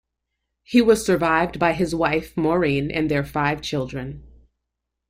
He was survived by his wife, Maureen, and their five children.